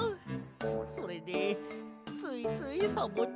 それでついついサボっちゃって。